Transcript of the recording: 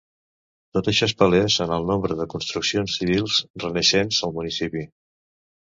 Tot això és palès en el nombre de construccions civils renaixentistes al municipi.